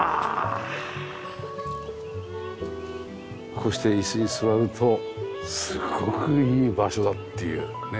こうして椅子に座るとすごくいい場所だっていうね。